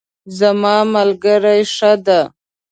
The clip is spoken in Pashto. زما ملګری ښه ده